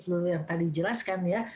seluruh yang tadi dijelaskan ya